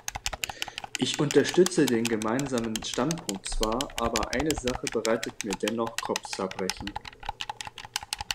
Ich unterstütze den Gemeinsamen Standpunkt zwar, aber eine Sache bereitet mir dennoch Kopfzerbrechen.